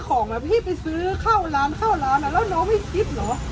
ของพี่ไปซื้อเข้าร้านเข้าร้านแล้วน้องไม่คิดเหรอ